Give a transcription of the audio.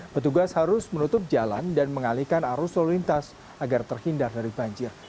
petugas harus menutup jalan dan mengalihkan arus lalu lintas agar terhindar dari banjir